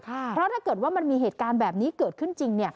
เพราะถ้าเกิดว่ามันมีเหตุการณ์แบบนี้เกิดขึ้นจริง